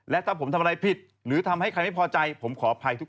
แล้วก็ข้อ๕